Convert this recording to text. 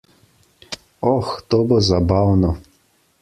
Oh, to bo zabavno!